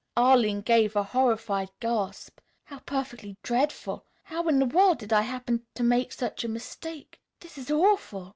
Arline gave a horrified gasp. "How perfectly dreadful! How in the world did I happen to make such a mistake! This is awful!"